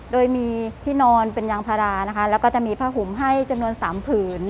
โดยมีที่นอนเป็นยางพารานะคะแล้วก็จะมีผ้าห่มให้จำนวน๓ผืน